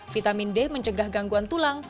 vitamin d mencegah gangguan tulang